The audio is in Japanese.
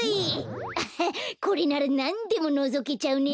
アハッこれならなんでものぞけちゃうね。